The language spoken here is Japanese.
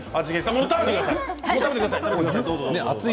もう食べてください。